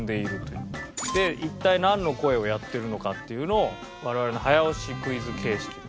で一体なんの声をやってるのかっていうのを我々早押しクイズ形式で。